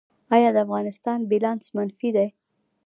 آیا د افغانستان بیلانس منفي دی؟